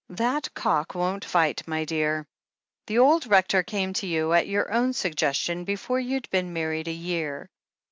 "That cock won't fight, my dear. The old Rector came to you, at your own suggestion, before you'd been married a year.